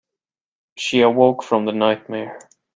She awoke from the nightmare.